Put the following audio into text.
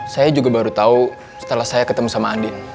saya juga baru tahu setelah saya ketemu sama andin